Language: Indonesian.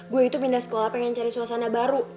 gue itu pindah sekolah pengen cari suasana baru